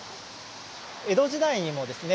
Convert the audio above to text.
江戸時代にもですね